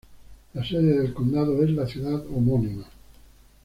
La sede del condado es la ciudad homónima.